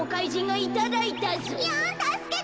いやたすけて！